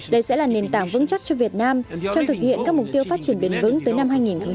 đây sẽ là nền tảng vững chắc cho việt nam trong thực hiện các mục tiêu phát triển bền vững tới năm hai nghìn ba mươi